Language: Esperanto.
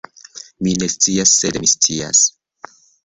Mi ne scias sed mi scias